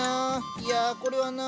いやこれはな